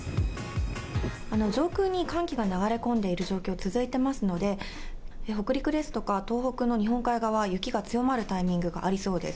上空に寒気が流れ込んでいる状況が続いてますので、北陸ですとか、東北の日本海側、雪が強まるタイミングがありそうです。